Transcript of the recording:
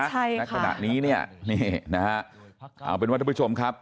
ณขณะนี้เนี่ยนี่นะฮะเอาเป็นว่าท่านผู้ชมครับ